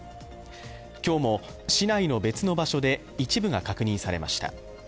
今日も市内の別の場所で一部が確認されました。